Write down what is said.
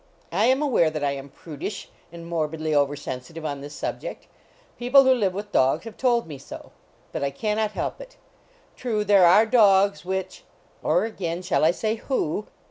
I am aware that I am prudish, and mor bidly over sensitive on this subject ; people who live with dogs have told me so ; but I can not help it. True, there are dogs which or, again, shall I say who?